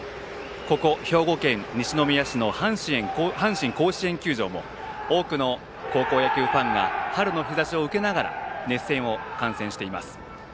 ここ兵庫県西宮市の阪神甲子園球場も多くの高校野球ファンが春の日ざしを受けながら熱戦を観戦しています。